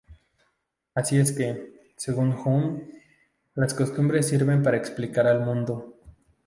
Así es que, según Hume, las costumbres sirven para explicar al mundo.